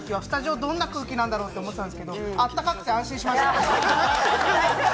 どんな空気なんだろうって思ってたんですが、あったかくて安心しました。